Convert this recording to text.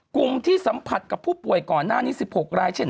กลุ่มที่สัมผัสกับผู้ป่วยก่อนหน้านี้๑๖รายเช่น